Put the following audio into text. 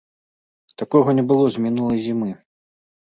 Такога не было з мінулай зімы.